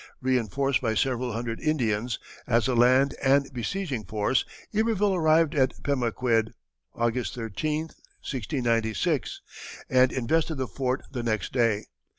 Reinforced by several hundred Indians, as a land and besieging force, Iberville arrived at Pemaquid, August 13, 1696, and invested the fort the next day.